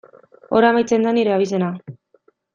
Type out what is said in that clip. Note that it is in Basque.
Hor amaitzen da nire abizena.